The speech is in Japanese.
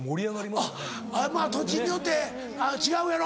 まぁ土地によって違うやろ？